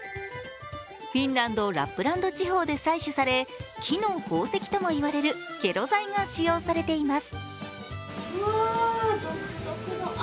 フィンランド・ラップランド地方で採取され木の宝石とも言われるケロ材が使用されています。